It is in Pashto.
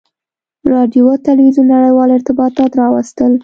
• راډیو او تلویزیون نړیوال ارتباطات راوستل.